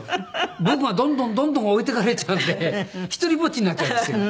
僕がどんどんどんどん置いてかれちゃうので独りぼっちになっちゃうんですよ。